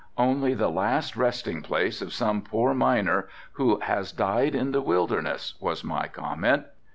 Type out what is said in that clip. "Only the last resting place of some poor miner who has died in this wilderness," was my comment.